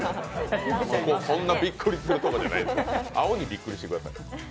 そんなびっくりすることじゃない、青にびっくりしてください。